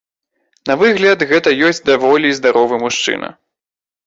На выгляд гэта ёсць даволі здаровы мужчына.